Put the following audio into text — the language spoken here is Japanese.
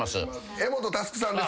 柄本佑さんです。